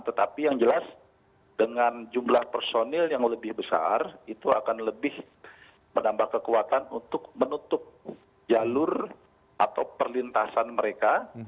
tetapi yang jelas dengan jumlah personil yang lebih besar itu akan lebih menambah kekuatan untuk menutup jalur atau perlintasan mereka